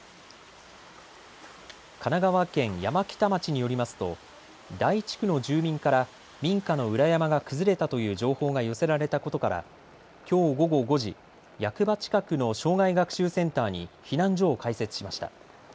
神奈川県山北町によりますと台地区の住民から民家の裏山が崩れたという情報が寄せられたことから、きょう午後５時役場近くの生涯学習センターに避難所を開設しました。